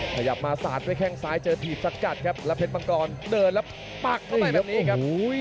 ขยับมาสาดด้วยแข้งซ้ายเจอถีบสกัดครับแล้วเพชรมังกรเดินแล้วปักเข้าไปแบบนี้ครับ